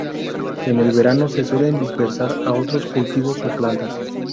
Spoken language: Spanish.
En el verano se suelen dispersar a otros cultivos o plantas.